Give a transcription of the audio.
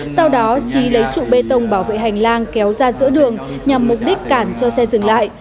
sau đó trí lấy trụ bê tông bảo vệ hành lang kéo ra giữa đường nhằm mục đích cản cho xe dừng lại